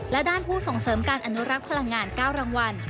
และด้านผู้ส่งเสริมการอนุรักษ์พลังงาน๙รางวัล